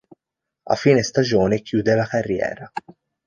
A fine stagione chiude la carriera.